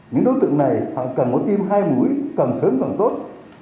những đối tượng này cần có tim hai mũi cần sớm cần tốt